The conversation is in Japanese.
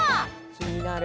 気になる。